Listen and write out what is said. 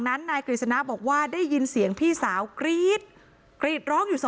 นายกฤษณะบอกว่าได้ยินเสียงพี่สาวกรี๊ดกรีดร้องอยู่